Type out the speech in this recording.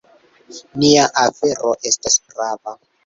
Nia afero estas prava.